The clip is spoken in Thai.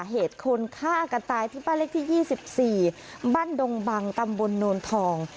เหตุคนฆ่ากันตายที่บ้านเลขที่๒๔บ้านดงบังตำบลโนนทอง